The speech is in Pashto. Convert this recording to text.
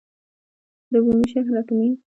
د بوشهر اټومي بټۍ بریښنا تولیدوي.